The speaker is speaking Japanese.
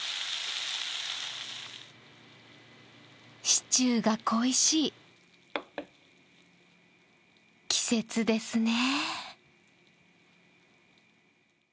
シチューが恋しい季節ですね。